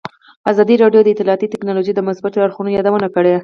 ازادي راډیو د اطلاعاتی تکنالوژي د مثبتو اړخونو یادونه کړې.